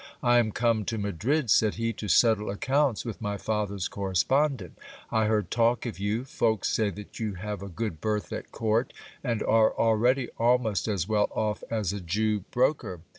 I ;im come to Madrid, said he, to settle accounts with my father's correspondent. I leard talk of you ! Folks say that you have a good berth at court, and are already almost as well off as a Jew broker.